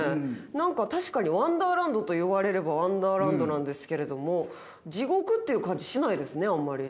何か確かにワンダーランドと言われればワンダーランドなんですけれども地獄っていう感じしないですねあんまり。